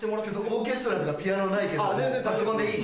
オーケストラとかピアノないけどパソコンでいい？